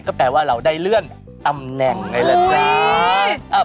ก็แปลว่าเราได้เลี่ยนตำแหน่งไงล่ะจ๊ะ